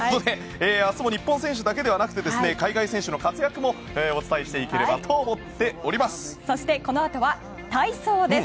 明日も日本選手だけではなくて海外選手の活躍もお伝えしていければと思っております。